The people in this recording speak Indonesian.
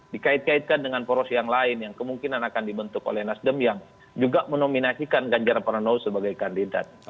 dikait kaitkan dengan poros yang lain yang kemungkinan akan dibentuk oleh nasdem yang juga menominasikan ganjar pranowo sebagai kandidat